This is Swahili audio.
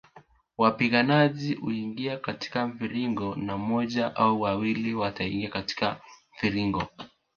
Wapiganaji huingia katika mviringo na moja au wawili wataingia kati ya mviringo